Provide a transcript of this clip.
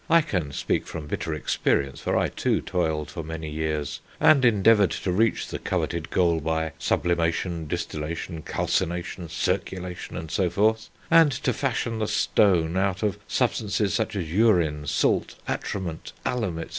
I can speak from bitter experience, for I, too, toiled for many years ... and endeavoured to reach the coveted goal by sublimation, distillation, calcination, circulation, and so forth, and to fashion the Stone out of substances such as urine, salt, atrament, alum, etc.